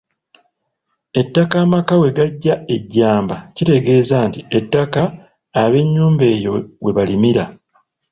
Ettaka amaka we gaggya ejjamba ekitegeeza nti ettaka ab'ennyumba eyo we balimira.